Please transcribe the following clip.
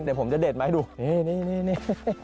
เดี๋ยวผมจะเด็ดมาให้ดูนี่นี่นี่นี่นี่